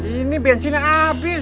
ini bensinnya abis